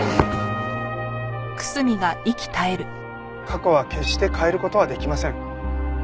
過去は決して変える事はできません。